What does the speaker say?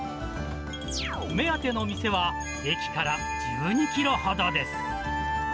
目当ての店は、駅から１２キロほどです。